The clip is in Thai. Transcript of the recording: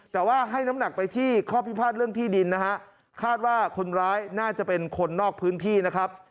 แต่ว่าให้น้ำหนักไปที่ข้อพิพาทเรื่องที่ดินนะฮะคาดว่าคนร้ายน่าจะเป็นคนนอกพื้นที่นะครับ